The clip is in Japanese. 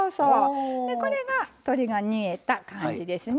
これが鶏が煮えた感じですね。